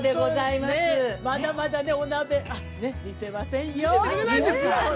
◆まだまだね、お鍋見せませんよ